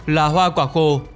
là hoa quả khô